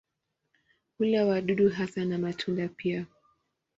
Hula wadudu hasa na matunda pia.